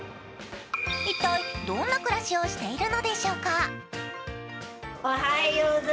一体どんな暮らしをしているのでしょうか。